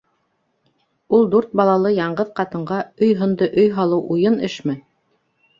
Ул дүрт балалы яңғыҙ ҡатынға өй һынды өй һалыу уйын эшме?